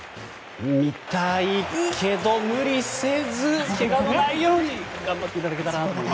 見たいけど無理せずけがのないように頑張っていただけたらなと思います。